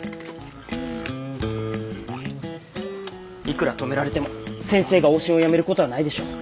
いくら止められても先生が往診をやめる事はないでしょう。